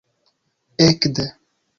ekde